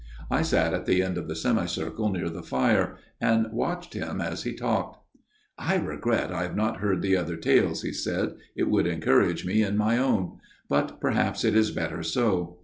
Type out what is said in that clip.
I sat at the end of the semi circle, near the fire, and watched him as he talked. FATHER MARTIN'S TALE 173 " I regret I have not heard the other tales," he said ; "it would encourage me in my own. But perhaps it is better so.